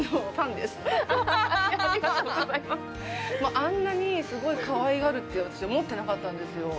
あんなに、すごいかわいがるというのは私は思ってなかったんですよ。